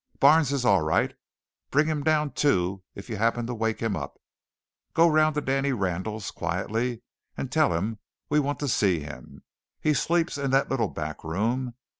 Barnes is all right; bring him down, too, if you happen to wake him up. Go around to Danny Randall's quietly and tell him we want to see him. He sleeps in that little back room.